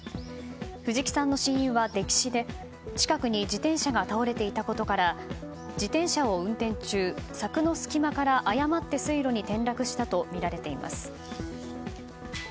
藤木さんの死因は溺死で近くに自転車が倒れていたことから自転車を運転中、柵の隙間から水路に転落したとみられています。